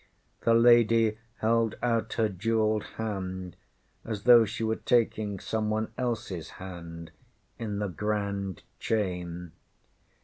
ŌĆÖ The lady held out her jewelled hand as though she were taking some one elseŌĆÖs hand in the Grand Chain.